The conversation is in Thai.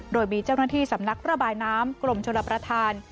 โดยมีเจ้าหน้าที่สำนักระบายน้ำกรมชลประธาน